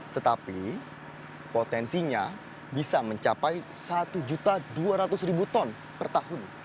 tetapi potensinya bisa mencapai satu dua ratus ton per tahun